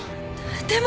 でも